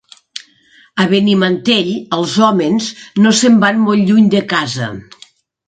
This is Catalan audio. A Benimantell els hòmens no se’n van molt lluny de casa.